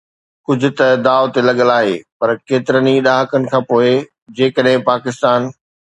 ڪجهه ته داءُ تي لڳل آهي پر ڪيترن ئي ڏهاڪن کانپوءِ جيڪڏهن پاڪستان